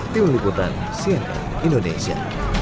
tim liputan siena indonesia